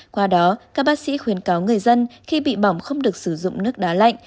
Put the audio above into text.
qua đó các bác sĩ khuyến cáo người dân khi bị bỏng không được sử dụng nước đá lạnh